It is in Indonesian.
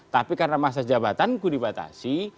tapi karena masa jabatanku dibatasi